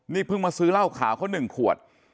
นี่เพิ่งมาซื้อเหล้าขาวเขา๑ขวด